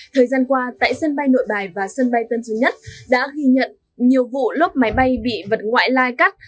thời gian qua tại sân bay nội bài và sân bay tân sơn nhất đã ghi nhận nhiều vụ lốp máy bay bị vật ngoại lai cắt